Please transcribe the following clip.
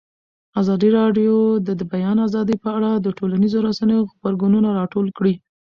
ازادي راډیو د د بیان آزادي په اړه د ټولنیزو رسنیو غبرګونونه راټول کړي.